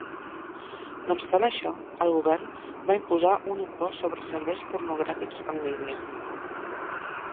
No obstant això, el govern va imposar un impost sobre serveis pornogràfics en línia.